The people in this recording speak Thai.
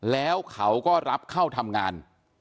แล้วเขาก็รับเข้าทำงาน